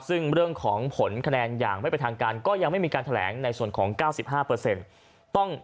ซึ่งเรื่องของผลคะแนนอย่างไม่เป็นทางการก็ยังไม่มีการแถลงในส่วนของ๙๕